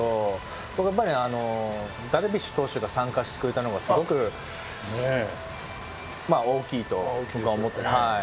僕はやっぱりあのダルビッシュ投手が参加してくれたのがすごくまあ大きいと僕は思って。